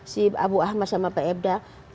si abu ahmad sama pak ebda